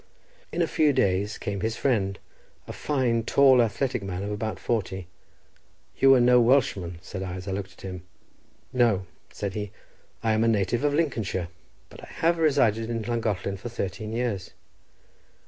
In a few days came his friend, a fine, tall, athletic man of about forty. "You are no Welshman," said I, as I looked at him. "No," said he, "I am a native of Lincolnshire, but I have resided in Llangollen for thirteen years."